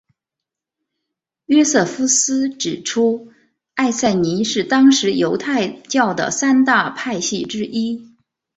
约瑟夫斯指出艾赛尼是当时犹太教的三大派系之一。